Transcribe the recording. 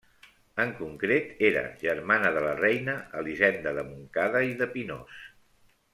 En concret, era germana de la reina Elisenda de Montcada i de Pinós.